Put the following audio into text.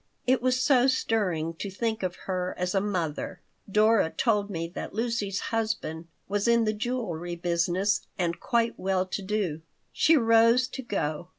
It was so stirring to think of her as a mother. Dora told me that Lucy's husband was in the jewelry business and quite well to do She rose to go.